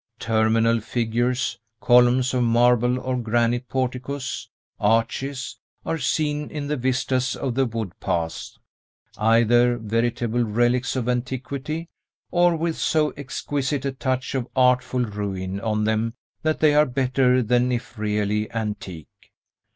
Terminal figures, columns of marble or granite porticos, arches, are seen in the vistas of the wood paths, either veritable relics of antiquity, or with so exquisite a touch of artful ruin on them that they are better than if really antique.